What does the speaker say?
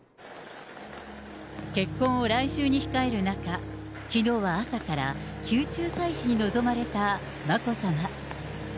結婚を来週に控える中、きのうは朝から宮中祭祀に臨まれた眞子さま。